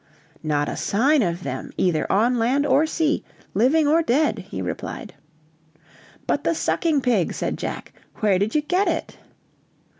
"Not a sign of them, either on land or sea, living or dead," he replied. "But the sucking pig," said Jack, "where did you get it?"